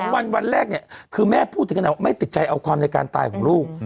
วันวันแรกเนี่ยคือแม่พูดถึงขนาดว่าไม่ติดใจเอาความในการตายของลูก